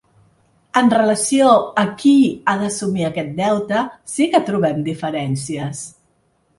En relació a qui ha d’assumir aquest deute sí que trobem diferències.